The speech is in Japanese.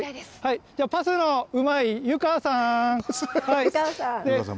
パスのうまいゆかわさん。